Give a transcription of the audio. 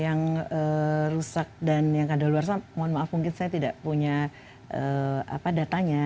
yang rusak dan yang kadaluarsa mohon maaf mungkin saya tidak punya datanya